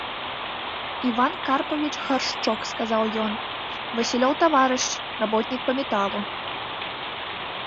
— Іван Карпавіч Гаршчок, — сказаў ён, — Васілёў таварыш, работнік па мэталу.